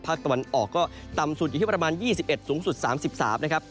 ตะวันออกก็ต่ำสุดอยู่ที่ประมาณ๒๑สูงสุด๓๓นะครับ